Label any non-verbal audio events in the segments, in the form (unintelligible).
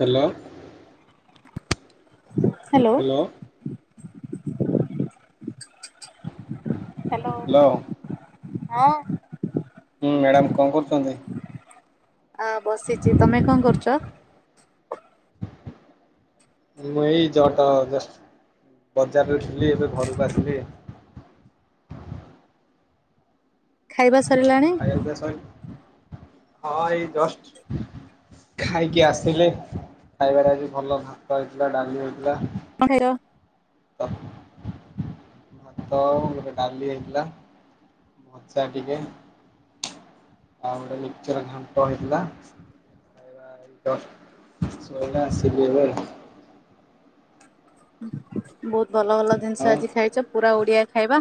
Hello hello hello ହଁ ହୁଁ madam କଣ କରୁଛନ୍ତି? ଆ ବସିଛି ତମେ କଣ କରୁଛ? ମୁଁ ଏଇ ଜଅ ଜଷ୍ଟ ବଜାରରେ ଥିଲି ଏବେ ଘରକୁ ଆସିଲି। ଖାଇବା ସରିଲାଣି? ଏବେ ସଇ ହଁ ଏଇ ଯଷ୍ଟ ଖାଇକି ଆସିଲେ। ଖାଇବାରେ ଆଜି ଭଲ ଭାତ ହେଇଥିଲା ଡାଲି ହେଇଥିଲା। କଣ ଖାଇଚ? ଭାତ ଗୋଟେ ଡାଲି ହେଇଥିଲା। ଭଜା ଟିକେ ଆଉ ଗୋଟେ ମିକ୍ସଚର ଘାଣ୍ଟ ହେଥିଲାଥିଲା। ଖାଇବା ଏଇ ଜଷ୍ଟ ସଇଲା ଆସିଲି ଏବେ ଆଉ ବହୁତ ଭଲ ଭଲ ଜିନିଷ ଆଉ ଆଜି ଖାଇଛ। ପୁରା ଓଡିଆ ଖାଇବା।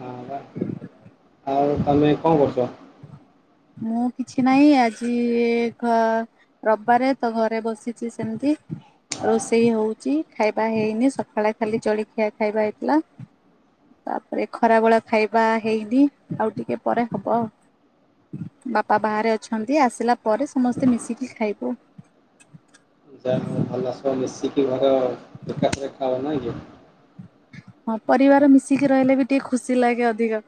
ହଁ ବା ଆଉ ଆମେ କଣ କରୁଚ? ମୁଁ କିଛି ନାହିଁ ଆଜି ଘ ରବିବାରେ ତ ଘରେ ବସିଚ ସେମିତି। ରୋଷେଇ ହଉଚି ଖାଇବା ହେଇନି ସକାଳେ ଖାଲି ଚଳିଖିଆ ଖାଇବା ହେଇଥିଲା। ତାପରେ ଖରା ବଳେ ଖାଇବା ହେଇନି ଆଉ ଟିକେ ପରେ ହବ ଆଉ। ବାପା ବାହାରେ ଅଛନ୍ତି ଆସିଲା ପରେ ସମସ୍ତେ ମିଶିକି ଖାଇବୁ। ଯାହା ହଉ ଭଲ ସବୁ ମିଶିକି ଘର ଏକା ଥରେ ଖାଅ ନା କି? ହଁ ପରିବାର ମିଶିକି ରହିଲେ ବି ଟିକେ ଖୁସି ଲାଗେ ଅଧିକ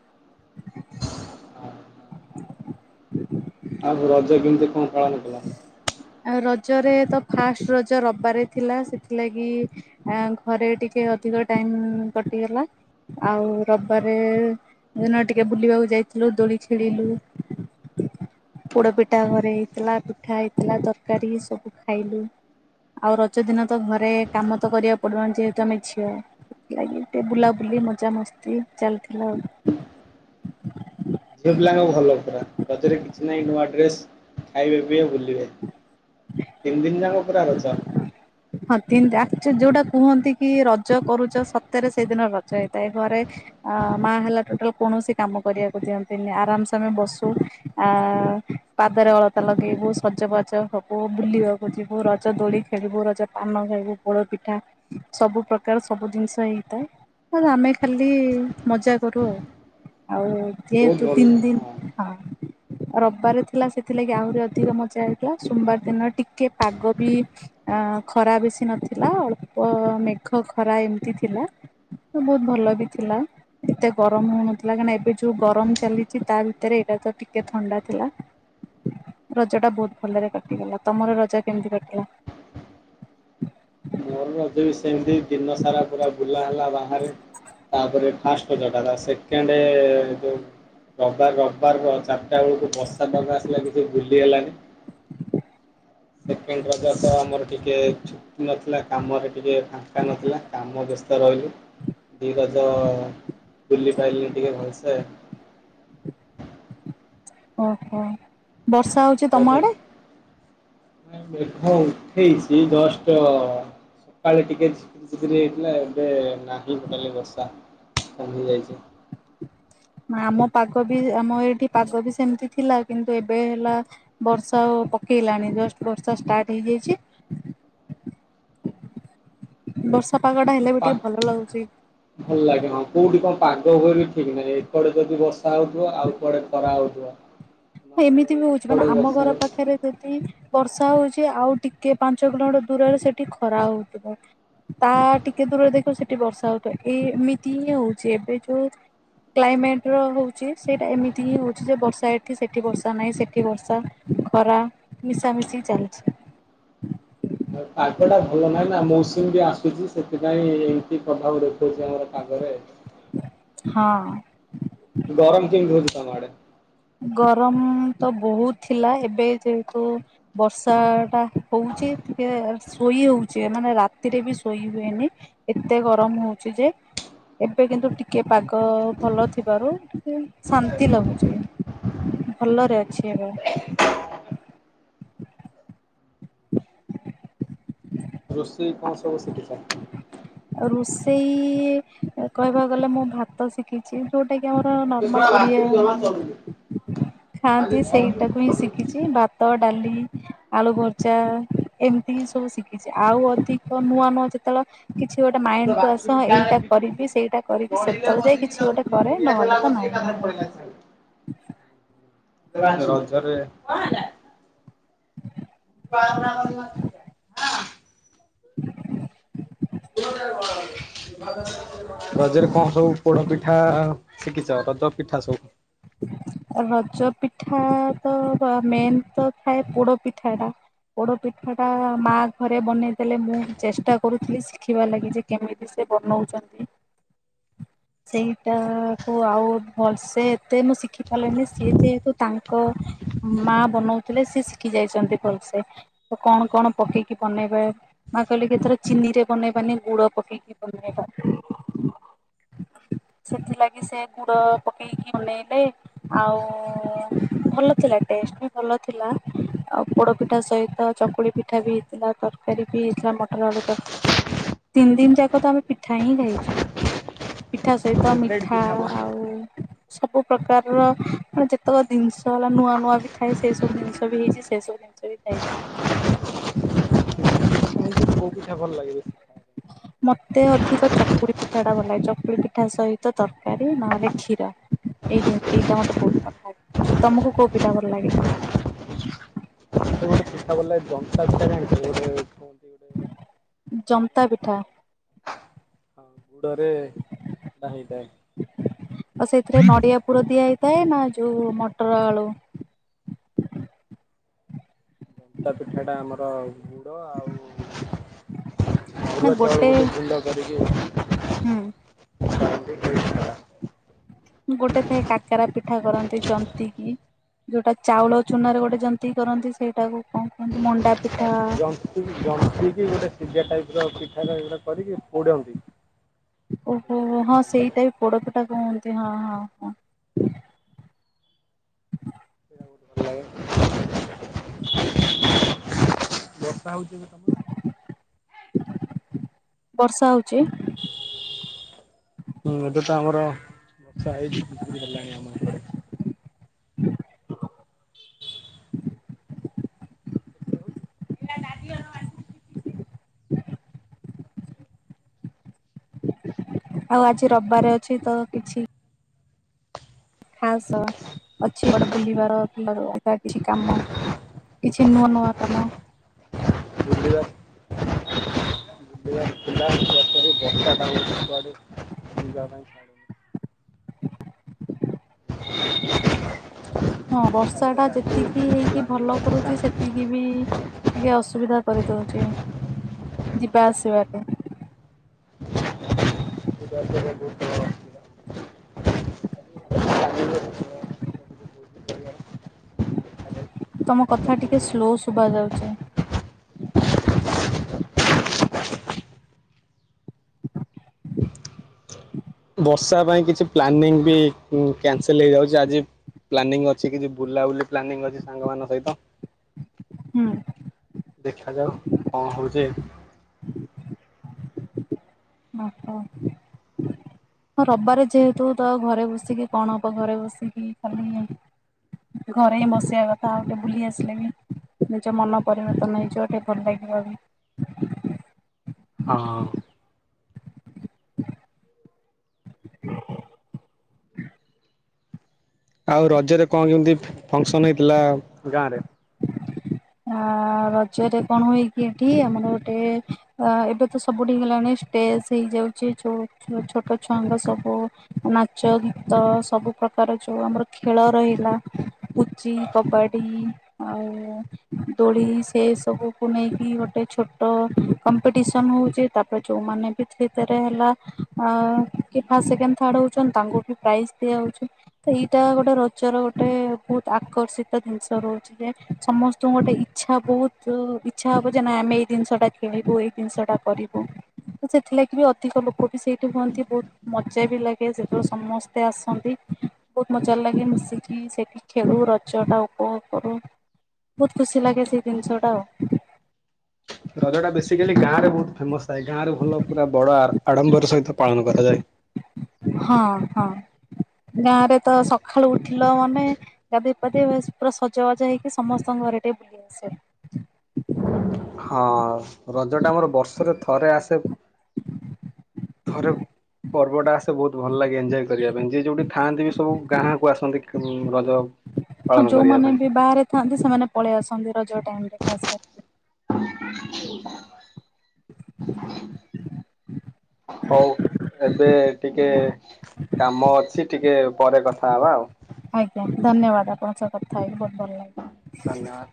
ଆଉ ରଜ କେମିତି କଣ ପାଳନ କଲ? ଆଉ ରଜରେ ତ ଫାଷ୍ଟ ରଜ ରବାରେ ଥିଲା ସେଥିଲାଗି ଘରେ ଟିକେ ଅଧିକ ଟାଇମ କଟିଗଲା ଆଉ ରବିବାରେ ଦିନ ଟିକେ ବୁଲିବାକୁ ଯାଇଥିଲୁ ଦୋଳି ଖେଳିଲୁ, ପୋଡ ପିଠା ଘରେ ହେ ହେଇଥିଲା ପିଠା ହେଇଥିଲା ତରକାରୀ ସବୁ ଖାଇଲୁ। ଆଉ ରଜ ଦିନ ତ ଘରେ କାମ ତ କରିବାକୁ ପଡୁନି ଯେହେତୁ ଆମେ ଝିଅ। ସେଥିଲାଗି ଟିକେ ବୁଲାବୁଲି ମଜା ମସ୍ତି ଚାଲିଥିଲା ଆଉ ଝିଅ ପିଲାଙ୍କ ଭଲ ପୁରା ରଜରେ କିଛି ନାହିଁ ନୂଆ ଡ୍ରେସ ଖାଇବେ ବି ବୁଲିବେ। ତିନି ଦିନ ଯାକ ପୁରା ରଜ। ହଁ ତିନି ଆଚୁ ଯୋଉଟା କୁହନ୍ତି କି ରଜ କରୁଛ ସତରେ ସେଇଦିନ ରଜ ହେଇଥାଏ ଘରେ ଅ ମା ହେଲା ଟୋଟାଲ କୌଣସି କାମ କରିବାକୁ ଦିଅନ୍ତିନି ଆରାମସେ ଆମେ ବସୁ ଆ ପାଦରେ ଅଳତା ଲଗେଇବୁ, ସଜବାଜ ହବୁ, ବୁଲିବାକୁ ଯିବୁ, ରଜ ଦୋଳି ଖେଳିବୁ, ରଜ ପାନ ଖାଇବୁ ପୋଡ ପିଠା ସବୁ ପ୍ରକାର ସବୁ ଜିନିଷ ହେଇଥାଏ। ଆମେ ଖାଲି ମଜା କରୁ ଆଉ ଆଉ ବହୁତ ଯେହେତୁ ଭଲ ତିନ ଲାଗେ। ହଁ ଦିନ ହଁ ରବିବାର ଥିଲା ସେଥିଲାଗି ଆହୁରି ଅଧିକ ମଜା ହେଇଥିଲା। ସୋମବାର ଦିନ ଟିକେ ପାଗ ବି ଅ ଖରା ବେଶୀ ନଥିଲା ଅଳ୍ପ ମେଘ ଖରା ଏମିତି ଥିଲା। ତ ବହୁତ ଭଲ ବି ଥିଲା। ଏତେ ଗରମ ହଉନଥିଲା କାହିଁକିନା ଏବେ ଯୋଉ ଗରମ ଚାଲିଛି ତା ଭିତରେ ଏଇଟା ତ ଟିକେ ଥଣ୍ଡା ଥିଲା। ରଜ ଟା ବହୁତ ଭଲରେ କାଟିଗଲା। ତମର ରଜ କେମିତି କାଟିଲା? ମୋର ରଜ ବି ସେମିତି ଦିନ ସାରା ପୁରା ବୁଲା ହେଲା ବାହାରେ ତାପରେ ଫାଷ୍ଟ ରଜଟା ସେକେଣ୍ଡ ଯୋଉ ରାର ରବିବାର ଅ ଚାରିଟା ବେଳକୁ ବର୍ଷା ବଗା ଆସିଲା କିଛି ବୁଲିହେଲାନି। ସେକେଣ୍ଡ ରଜ ତ ଆମର ଟିକେ ଛୁଟି ନଥିଲା। କାମରେ ଟିକେ ଫାଙ୍କା ନଥିଲା କାମ ବ୍ୟସ୍ତ ରହିଲୁ ଦୁଇ ରଜ। ବୁଲି ପାଇଲି ଟିକେ ଭଲସେ। ଓହୋ ବର୍ଷା ହଉ (unintelligible) ମେଘ ଉଠେଇଛି ଜଷ୍ଟ। କାଲି ଟିକେ ଝିପ୍ରି ଝିପ୍ରୀ ହେଇଥିଲା ଏବେ ନାହିଁ ଗୋଟାଲି ବର୍ଷା ନ୍ଦ ହେଇଯାଇଛି। ଆମ ପାଗ ବି ଆମ ଏଇଠି ପାଗ ବି ସେମିତି ଥିଲା କିନ୍ତୁ ଏବେ ହେଲା। ବର୍ଷା ଆଉ ପକେଇଲାଣି ଜଷ୍ଟ ବର୍ଷା ଷ୍ଟାର୍ଟ ହେଇଯାଇଛି। (inaudible) (unintelligible) ବର୍ଷା ପାଗ ଟା ହେଲେ ବି ପା ଟିକେ ଭଲ ଲାଗୁଛି। ଭଲ ଲାଗେ ହଁ କୋଉଠି କଣ ପାଗ ହଏ ବି ଠିକ ନାନେ ଏଟେ ଯଦି ବସ। କସା ହେଉଥିବ ଆଉ କୁଆଡେ ଖରାହେଉଥିବ। ଏମିତି ବି ହଉଛି ମାନେ ଆମ ଘର ପାଖରେ ସେଠି ବର୍ଷା ହଉଛି ଆଉ ଟିକେ ପାଞ୍ଚ କିଲୋମିଟର ଦୂରରେ ସେଠି ଖରା ହଉଥିବ। ତା ଟିକେ ଦୂରରେ ଦେଖ ସେଠି ବର୍ଷା ହଉିବ ଏଇ ଏମିତି ହଇ ହଉଛି ଏବେ ଯୋଉ। କ୍ଲାଇମେଟ ର ହଉଛି ସେଇଟା ଏମିତି ହିଁ ହଉଛି ଯେ ବର୍ଷା। ଏଠ ସେଠି ବର୍ଷା ନାହିଁ ସେଠି ବର୍ଷା ଖରା ମିଶାମିଶି ଚାଲିଛି। ପାଗଟା ଭଲ ନାହିଁ ନା ମୌସୁମୀ ବି ଆସୁଛି ସେଥିପାଇଁ ଏମିତି ପ୍ରଭାବ ଦେଖଉଛି ଆମର ପାଗରେ ହଁ। ଗରମ କେନ୍ ରହୁଛି ତଡେ। ଗରମ ତ ବହୁତ ଥିଲା ଏବେ ଯେହେତୁ ବର୍ଷା ଟା ହଉଛି ଟିକେ ଶୋଇ ହଉଛି ମାନେ ରାତିରେ ବି ଶୋଇ ହୁଏନି ଏତେ ଗରମ ହଉଛି ଯେ ଏବେ କିନ୍ତୁ ଟିକେ ପାଗ ଭଲ ଥିବାରୁ ଶାନ୍ତି ଲାଗୁଛି ଭଲରେ ଅଛି ଏବେ (inaudible) (inaudible) ଋଷେଇ କଣ ସବୁ ଶିଖିଛ ଆ ରୋଷେଇ କହିବାକୁ ଗଲେ ମୁଁ ଭାତ ଶିଖି ଯୋଉଟା କି ଆମର ନର୍ମାଲ ଓଡିଆ ମାନେ। ଶିଖିଛ? ଖାଆନ୍ତି ସେଇଟାକୁ ହିଁ ଶିଖିଛି ଭାତ ଡାଲି ଆଳୁ ଭ ଭଜା ଏମିତିି ସବୁ ଶିଖିଛି ଆଉ ଅଧିକ ନୂଆ ନୂଆ ଯେତେବେଳେ କିଛି ଗୋଟେ ମାଇଣ୍ଡ କୁ ଆସ ବାଛୁରୀ ହଁ କାନରେ ଏଇଟା ପିଟିଛି। କରିବି ସେଇଟା କରିବି ନଢିଲେ ସେତେବେଳେ ଯାଇ କଷିକି କିଛି ତାକୁ ଗୋଟେ ଦି କରେ ମୁଣ୍ଡିଆ ଦେଲା ନହେଲେ ତ କଷିକି ନାଇଁ ଏକାଥରେ ପଳେଇଲା ସାଙ୍ଗେ। (unintelligible) (unintelligible) (inaudible) (inaudible) (inaudible) (unintelligible) (inaudible) (unintelligible) (inaudible) ରଜରେ କଣ ସବୁ ପୋଡ ପିଠା ଶିଖିଛ ରଜ ପିଠା ସବୁ? ରଜ ପିଠା ତ ମେନ୍ ତ ଥାଏ ପୋଡ ପିଠା ଟା ପୋଡ ପିଠା ଟା ମା ଘରେ ବନେଇ ଦେଲେ ମୁଁ ଚେଷ୍ଟା କରୁଥିଲି ଦେଖିବା ଲାଗି ଯେ କେମିତି ସେ ବନଉଛନ୍ତି? ସେଇଟା କୁ ଆଉ ଭଲସେ ତେ ମୁଁ ଶିଖି ପାରିଲଣିି ସିଏ ଯେହେତୁ ତାଙ୍କ ମା ବନଉଥିଲେ ସି ଶିଖି ଯାଇଛନ୍ତି ଭଲସେ। ତ କଣ କଣ ପକେଇକି ବନେଇବେ ନା କହିଲି କିଥର ଚିନି ରେ ବନେଇବାନି ଗୁଡ ପକେଇକି ବନେଇବା। ସେଥିଲାଗି ସେ ଗୁଡ ପକେଇକି ବନେଇଲେ। ଆଉ ଭଲ ଥିଲା ଟେଷ୍ଟ ବି ଭଲ ଥିଲା ଆଉ ପୋଡ ପିଠା ସହିତ ଚକୁଳି ପିଠା ବି ହେଇଥିଲା। ତରକାରୀ (inaudible) ମଟର ଆଳୁ (unintelligible) (inaudible) ତିନି ଦିନ ଯାକ ତ ଆମେ ପିଠା ହିଁ ଖାଇଛୁ। ପିଠା ସହିତ ମିଠା ପିଠା ଆଉ ସବୁ ପ୍ରକାରର ମାନେ ଯେତେକ ଦିନ୍ ଷ ହେଲା ନୂଆ ନୂଆ ବି ଥାଏ ସେଇ ସବୁ ଜିନିଷ ବି ହେଇଛି ସେ ସବୁ। (unintelligible) ଖାଇଛୁ। ତମକୁ କୋଉ ପିଠା ଭଲ ଲାଗେ? ମତେ ଅଧିକ ଚକୁଳି ପିଠା ଟା ଭଲ ଲାଗେ। ଚକୁଳି ପିଠା ସହିତ ତରକାରୀ ନହେଲେ କ୍ଷୀର। ଏଇ ଦିଁ ଏଇଟା ମତେ ବୋହୁତ ଭଲ ଲାଗେ, ତମକୁ କୋଉ ପିଟା ଭଲ ଲାଗେ? ଗୋଟେ ପିଠା ଭଲ ଲାଗେ ଜନ୍ତା ପିଠା ଜାଣିଛନ୍ତି ଗୋଟେ ଜନ୍ତା କୁହନ୍ତି ପିଠା ଗୋଟେ (inaudible) କଁ। ହଁ ଗୁଡ଼ରେ ସେଟା ହେଇଥାଏ। ଆ ସେଥିରେ ନଡ଼ିଆ ପୁର ଦିଆ ହେଇଥାଏ ନା ଯୋଉ ମଟର ଆଳୁ? ଜନ୍ତା ପିଠା ଟା ଆମର ଗୁଡ଼ ଆଉ ଅରୁଆ ଚାଉଳ ଗୋଟେ ଗୁଣ୍ଡ କରିକି ହୁଁ। ସେଟା ଏମ୍ ତୀ ହୋଇଥିଲା। ଗୋଟେ ଥାଏ କାକେରା ପିଠା କରନ୍ତି ଯନ୍ତିକି। ଯୋଉଟା ଚାଉଳ ଚୁନାରେ ଗୋଟେ ଜନ୍ତିିକି କରନ୍ତି ସେଇଟାକୁ କଣ କୁହନ୍ତି ମଣ୍ଡା ପି ଜନ୍ତିକି ଜନ୍ତିକି ଗୋଟେ ସିଜା ଟାଇପ ର ଅଛି ପିଠା ଟାଇପ୍ ର କରିକି ପୋଡ଼ନ୍ତି। ସେଇଟା ହୁଏ ଜନ୍ତା ପିଠା। ପୋଡ଼ ପିଠା କୁହନ୍ତି ହଁ, ହଁ, ହଁ। ସେଟା ମତେ ଭଲ ଲାଗେ। ବର୍ଷା ହଉଛି କି ତମ ଆଡ଼େ? ବର୍ଷା ହୋଉଚି? ହୁଁ ଏବେ ତ ଆମର ବର୍ଷା ହେଇ ଝିପି ଝିପି ହେଲାଣି ଆମ ଏପଟେ। ହ ସେପଟେ ହୋଉଛି? ଆଉ ଆଜି ରବିବାରେ ଅଛି ତ କିଛି ଖାସ ଅଛି କୁଆଡ଼େ ବୁଲିବାର (unintelligible) ଅଲଗା କିଛି କାମ। କିଛି ନୂଆ ନୂଆ କାମ। ବୁଲିବା ବୁଲିବାର ଥିଲା ସିଆଡେ ସିଆଡେ ବର୍ଷା ଟା ହୋଉଛି (unintelligible) ବୁଲିବା ପାଇଁ ଇଚ୍ଛା ହୋଉନି। ହଁ ବର୍ଷା ତାପରେ ଟା ଆଜି ଯେତିକି ହେଇକି ପ୍ଲାନିଂ ଭଲ ଅଛି କରୁଚି ସାଙ୍ଗ ସେତିକି ବି ଟିକେ ଅସୁବିଧା କରିଦୋଉଚି ଯିବା ଆସିବା ପାଇଁମ (inaudible) ତମ କଥା ଟିକେ ସ୍ଲୋ ଶୁଭାଯାଉଛି। ବର୍ଷା ପାଇଁ କିଛି ପ୍ଲାନିଂ ବି ଉଁ କ୍ୟାନସେଲ ହେଇଯାଉଛି ଆଜି ପ୍ଲାନିଂ ଅଛି କିଛି ବୁଲାବୁଲି ପ୍ଲାନିଂ ଅଛି ସାଙ୍ଗ ମାନଙ୍କ ସହିତ। ହୁଁ ଦେଖାଯାଉ କଁ ହଉଛି। ବ ହ। ଆ ରବିବାରେ ଯେହେତୁ ତ ଘରେ ବସିକି କଣ ହବ ଘରେ ବସିକି ଖାଲି ଘରେ ହିଁ ବସିବା କଥା ଆଉ ଟିକେ ବୁଲି ଆସିଲେ ବି। ନିଜ ମନ ପରିବର୍ତ୍ତନ ହେଇଯିବ ଟିକେ ଭଲ ଲାଗିବ ବି। ହଁ। ଆଉ ରଜରେ କଣ କେମିତି ଫଙ୍କସନ ହେଇଥିଲା ଗାଁ ରେ? ଆ ରଜରେ କଣ ହୁଏକି ଏଠି ଆମର ଗୋଟେ ଆ ଏବେ ତ ସବୁଠି ହେଲାଣି ଟେସ୍ ହେଇଯାଉଚି ଯୋଉ ଛୋଟ ଛୁଆଙ୍କ ସବୁ ନାଚ ଗୀତ ସବୁ ପ୍ରକାର ଯୋଉ ଆମର ଖେଳ ରହିଲା ପୁଚି କବାଡ଼ି ଆଉ ଦୋଳି ସେ ସବୁକୁ ନେଇକି ଗୋଟେ ଛୋଟ କମ୍ପିଟିସନ ହେଉଚି ତାପରେ ଯେଉଁମାନେ ବି ତରେ ହେଲା କି ଫା ସେକେଣ୍ଡ ଥାର୍ଡ ହଉଛନ୍ତି ତାଙ୍କୁ ବି ପ୍ରାଇଜ ଦିଆଯାଉଚି। ଏଇଟା ଗୋଟେ ରଜର ଗୋଟେ ବହୁତ ଆକର୍ଷିତ ଜିନିଷ ରହୁଚି ଯେ ସମସ୍ତେ ତୁ ଗୋଟେ ଇଚ୍ଛା ବହୁତ ଇଚ୍ଛା ହବ ଯେ ନା ଆମେ ଏଇ ଜିନିଷଟା ଖେଳିବୁ ଏଇ ଜିନିଷଟା କରିବୁ। ସେଥିଲାଗି ବି ଅଧିକ ଲୋକ ବି ସେଇଠି ହୁଅନ୍ତି ବହୁତ ମଜା ବି ଲାଗେ ସେତେବେଳେ ସମସ୍ତେ ଆସନ୍ତି ବହୁତ ମଜା ଲାଗେ ମିଶିକି ସେଠି ଖେଳୁ ରଜ ଟା ଉପଭୋଗ କରୁ। ବହୁତ ଖୁସି ଲାଗେ ସେଇ ଜିନିଷଟା ଆଉ। ରଜ ଟା ବେସିକାଲି ଗାଁ ରେ ବହୁତ ଫେମସ ଥାଏ ଗାଁରେ ଭଲ ପୁରା ବଡ ଆ ଆଡ଼ମ୍ବର ସହିତ ପାଳନ କରାଯାଏ। ହଁ ହଁ। ଗାଁ ରେ ତ ସକାଳୁ ଉଠିଲ ମାନେ ଗାଧୋଇ ପାଧେଇ ଭଲ ପୁରା ସଜବାଜା ହେଇକି ସମସ୍ତେ ତାଙ୍କ ଘରେ ଟିକେ ବୁଲି ଆସେ ହାରି ହଁ ରଜ ଟା ଆମର ବର୍ଷରେ ଥରେ ଆସେ ଥରେ ପର୍ବଟା ଆସ ସେ ବହୁତ ଭଲ ଲାଗେ ଏଞ୍ଜୟ କରିବା ପାଇଁ ଯିଏ ଯୋଉଠି ଥାଆନ୍ତି ବି ସବୁ ଗାଁକୁ ଆସନ୍ତି ମଁ ରଜ ହଁ ପାଳନ କରିବା ଯୋଉମାନେ ପାଇଁ ବି ବାହାରେ ଥାଆନ୍ତି ସେମାନେ ପଳେଇ ଆସନ୍ତି ରଜ ଟାଇମରେ ଖାସ୍ କରିକି। ହଉ ଏବେ ଟିକେ କାମ ଅଛି ଟିକେ ପରେ କଥା ହବା ଆଉ। ଆଜ୍ଞା ଧନ୍ୟବାଦ ଆପଣଙ୍କ ସହ କଥା ହେଇକି ବୋହୁତ ଭଲ ଲାଗିଲା। ଧନ୍ୟବାଦ।